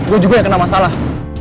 gue juga yang kena masalah